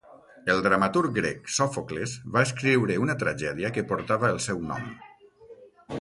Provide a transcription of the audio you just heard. El dramaturg grec Sòfocles va escriure una tragèdia que portava el seu nom.